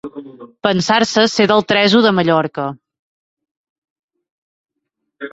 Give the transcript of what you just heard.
Pensar-se ser del tres-u de Mallorca.